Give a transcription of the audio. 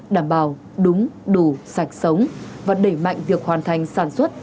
đảm bảo đúng đủ sạch sống và đẩy mạnh việc hoàn thành sản xuất